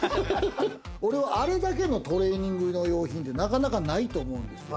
俺は、あれだけのトレーニングの用品ってなかなかないと思うんですよ。